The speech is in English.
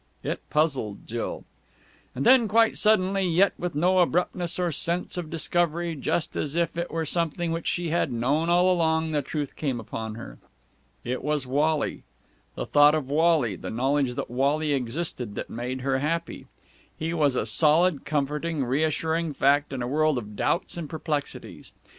It puzzled Jill. And then, quite suddenly, yet with no abruptness or sense of discovery, just as if it were something which she had known all along, the truth came upon her. It was Wally, the thought of Wally, the knowledge that Wally existed, that made her happy. He was a solid, comforting, reassuring fact in a world of doubts and perplexities.